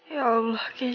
ya allah keisha